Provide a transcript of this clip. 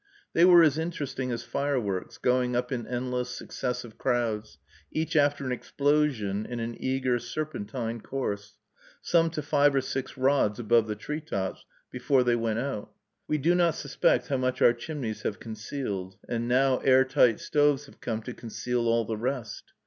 They were as interesting as fireworks, going up in endless, successive crowds, each after an explosion, in an eager, serpentine course, some to five or six rods above the tree tops before they went out. We do not suspect how much our chimneys have concealed; and now air tight stoves have come to conceal all the rest.